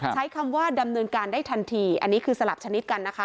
ใช้คำว่าดำเนินการได้ทันทีอันนี้คือสลับชนิดกันนะคะ